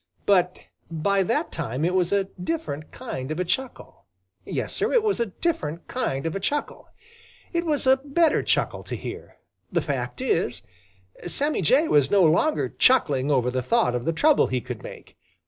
But by that time it was a different kind of a chuckle. Yes, Sir, it was a different kind of a chuckle. It was a better chuckle to hear. The fact is, Sammy Jay was no longer chuckling over the thought of the trouble he could make.